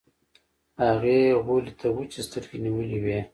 هغې غولي ته وچې سترګې نيولې وې.